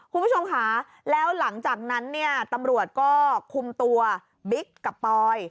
คุณผู้ชมค่ะแล้วหลังจากนั้นเนี่ยตำรวจก็คุมตัวบิ๊กกับปอย